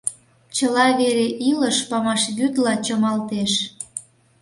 Чыла вере илыш памашвӱдла чымалтеш.